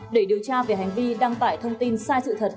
để điều tra về hành vi đăng tải thông tin sai sự thật